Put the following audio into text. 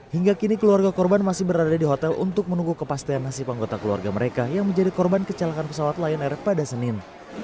hingga kini keluarga korban masih berada di hotel untuk menunggu kepastian nasib anggota keluarga mereka yang menjadi korban kecelakaan pesawat lion air pada senin